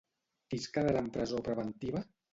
Qui es quedarà en presó preventiva?